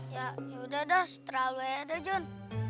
ya udah dah seterah lo ya dah jon